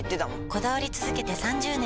こだわり続けて３０年！